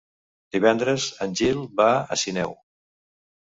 Divendres en Gil va a Sineu.